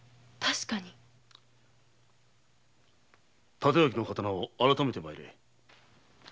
帯刀の刀を改めて参れ。